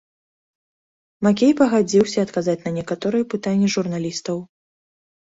Макей пагадзіўся адказаць на некаторыя пытанні журналістаў.